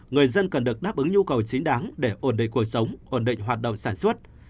người dân cần được đáp ứng nhu cầu chính đáng để ổn định cuộc sống ổn định hoạt động sản xuất